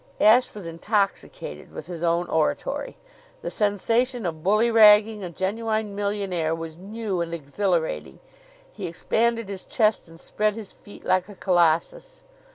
Ashe was intoxicated with his own oratory. The sensation of bullyragging a genuine millionaire was new and exhilarating. He expanded his chest and spread his feet like a colossus.